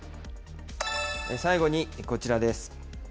最後にこちらです。